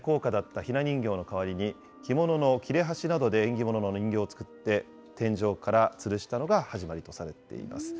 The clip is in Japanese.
ひな人形の代わりに、着物の切れ端などで縁起物の人形を作って、天井からつるしたのが始まりとされています。